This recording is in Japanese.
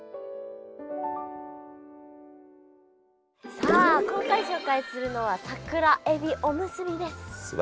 さあ今回紹介するのは桜えびおむすびです！